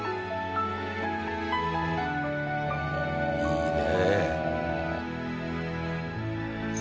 いいね。